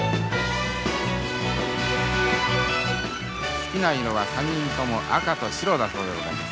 好きな色は３人とも赤と白だそうでございます。